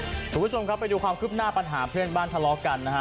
คุณผู้ชมครับไปดูความคืบหน้าปัญหาเพื่อนบ้านทะเลาะกันนะฮะ